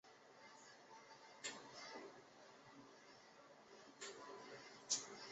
新罗普斯克农村居民点是俄罗斯联邦布良斯克州克利莫沃区所属的一个农村居民点。